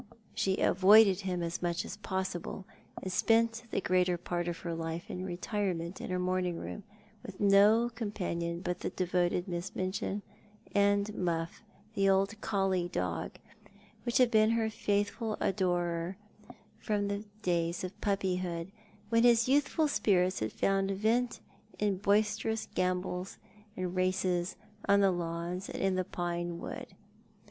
She avoided him as much as possible, and spent the greater part of her life in the retirement of her morning room, with DO companion but the devoted Miss Minchin, and Muflf, the old collie dog, which had been her faithful adorer from the days of piippyhood, when his youthful spirits had found vent in boisterous gambols and races on the lawns and in the pine wood.